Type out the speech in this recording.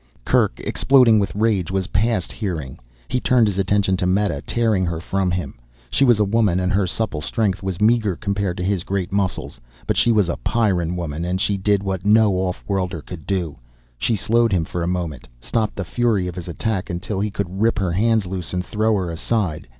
Kerk, exploding with rage, was past hearing. He turned his attention to Meta, tearing her from him. She was a woman and her supple strength was meager compared to his great muscles. But she was a Pyrran woman and she did what no off worlder could. She slowed him for a moment, stopped the fury of his attack until he could rip her hands loose and throw her aside.